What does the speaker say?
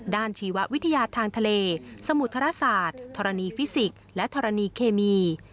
ชีววิทยาทางทะเลสมุทรศาสตร์ธรณีฟิสิกส์และธรณีเคมี